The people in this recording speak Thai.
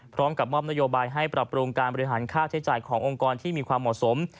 พร้อมกับมอบนโยบายให้ปรับปรุงการบริหารค่าใช้จ่ายขององค์กรที่มีความเหมาะสม